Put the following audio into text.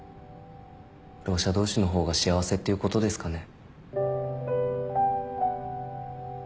ろう者同士の方が幸せっていうことですかね。